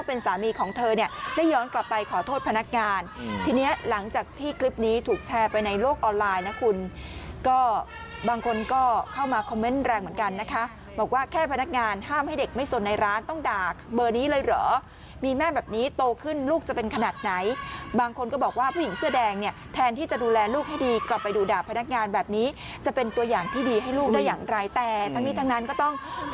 พนักงานทีนี้หลังจากที่คลิปนี้ถูกแชร์ไปในโลกออนไลน์นะคุณก็บางคนก็เข้ามาคอมเมนต์แรงเหมือนกันนะคะบอกว่าแค่พนักงานห้ามให้เด็กไม่สนในร้านต้องด่าเบอร์นี้เลยเหรอมีแม่แบบนี้โตขึ้นลูกจะเป็นขนาดไหนบางคนก็บอกว่าผู้หญิงเสื้อแดงเนี่ยแทนที่จะดูแลลูกให้ดีกลับไปดูด่าพนักงานแบบนี้จะเป็